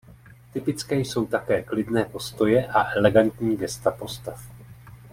Typické jsou také klidné postoje a elegantní gesta postav.